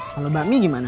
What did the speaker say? kalau bakmi gimana